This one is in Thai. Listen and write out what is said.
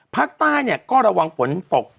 ภาคใต้เนี่ยก็ระวังฝนตก